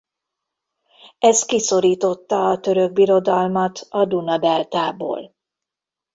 Ez kiszorította a török birodalmat a Duna-deltából.